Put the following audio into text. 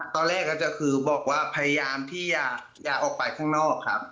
ตอนแรกก็คือบอกว่าพยายามที่อย่าออกไปข้างนอกครับ